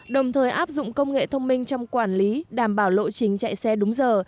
đồng thời áp dụng công nghệ thông minh trong quản lý đảm bảo lộ trình chạy xe đúng giờ